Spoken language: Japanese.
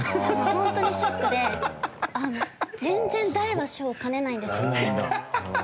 ホントにショックで全然大は小を兼ねないんです。